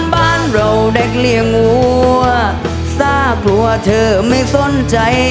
บ้านเราแดกเหลี่ยงอว่าสร้างหลัวเธอไม่สนใจ